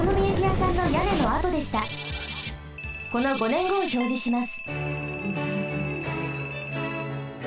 さらに５ねんごをひょうじします。